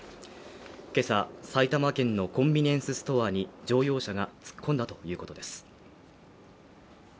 今朝、埼玉県のコンビニエンスストアに乗用車が突っ込んだということです。